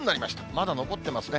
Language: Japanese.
まだ残ってますね。